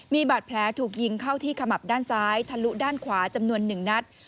มีบาดแผลถูกยิงเข้าที่ขมับด้านซ้ายทะลุด้านขวาจำนวน๑นัด